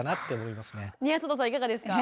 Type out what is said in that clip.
いかがですか？